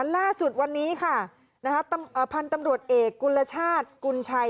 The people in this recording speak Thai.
ล่าสุดวันนี้ค่ะพันธุ์ตำรวจเอกกุลชาติกุญชัย